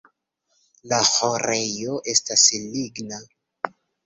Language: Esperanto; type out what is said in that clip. La ĥorejo estas ligna.